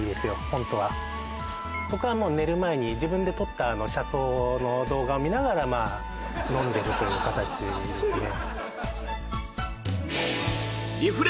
ホントは僕はもう寝る前に自分で撮った車窓の動画を見ながらまあ飲んでるという形ですね